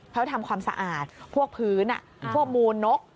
เขาทำความสะอาดพวกพื้นพวกมูลนก